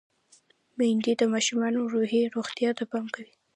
میندې د ماشومانو روحي روغتیا ته پام کوي۔